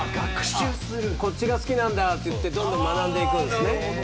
こっちが好きなんだってどんどん学んでいくんですね。